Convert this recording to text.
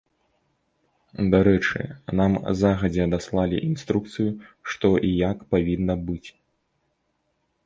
Дарэчы, нам загадзя даслалі інструкцыю, што і як павінна быць.